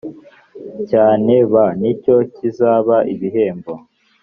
cyane b ni cyo kizaba ibihembo